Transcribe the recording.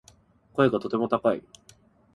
声がとても高い